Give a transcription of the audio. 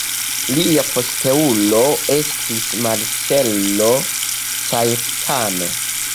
Lia posteulo estis Marcello Caetano.